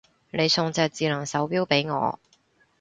你送隻智能手錶俾我